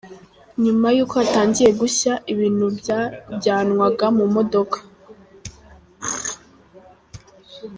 Nyuma yuko hatangiye gushya , ibintu byajyanwaga mu modoka.